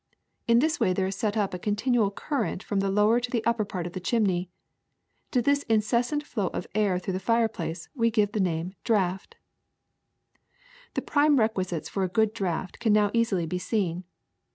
In this way there is set up a continual current from the lower to the upper part of the chimney. To this in cessant flow of air through the fireplace we give the name * draft.' ^^The prime requisites for a good draft can now easily be seen.